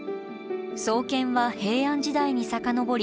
創建は平安時代に遡り